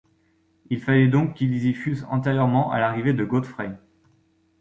Il fallait donc qu’ils y fussent antérieurement à l’arrivée de Godfrey!